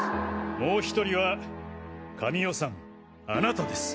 もう１人は神尾さんあなたです。